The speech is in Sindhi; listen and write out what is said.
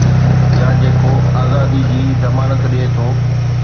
يا جيڪو آزادي جي ضمانت ڏئي ٿو